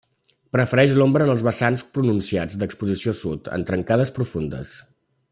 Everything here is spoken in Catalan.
Prefereix l'ombra en els vessants pronunciats d'exposició sud, en trencades profundes.